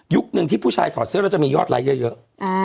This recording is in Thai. หนึ่งที่ผู้ชายถอดเสื้อแล้วจะมียอดไลค์เยอะ